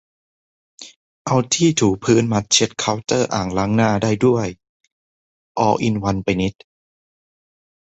เอาที่ถูพื้นมาเช็ดเคาน์เตอร์อ่างล้างหน้าได้ด้วย ออลอินวันไปนิด